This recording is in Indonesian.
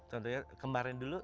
contohnya kemarin dulu